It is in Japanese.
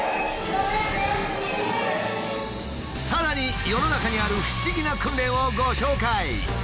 さらに世の中にある不思議な訓練をご紹介。